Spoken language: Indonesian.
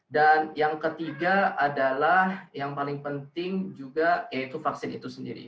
dan yang ketiga adalah yang paling penting juga yaitu vaksin itu sendiri